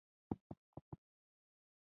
د واکمنې ډلې پیدایښت د ګډ ژوند لامل شوي وي.